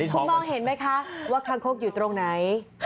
ผมมองเห็นไหมคะว่าคางคกอยู่ตรงไหน